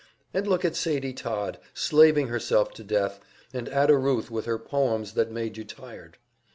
And look at Sadie Todd, slaving herself to death, and Ada Ruth with her poems that made you tired.